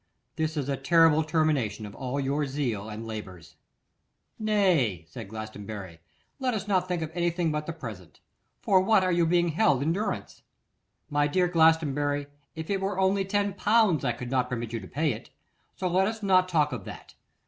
This is a terrible termination of all your zeal and labours.' 'Nay!' said Glastonbury; 'let us not think of anything but the present. For what are you held in durance?' 'My dear Glastonbury, if it were only ten pounds, I could not permit you to pay it. So let us not talk of that.